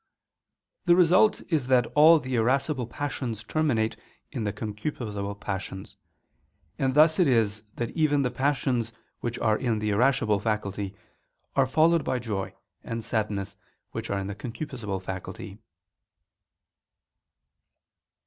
The result is that all the irascible passions terminate in the concupiscible passions: and thus it is that even the passions which are in the irascible faculty are followed by joy and sadness which are in the concupiscible faculty.